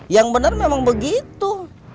yang bener memang begitu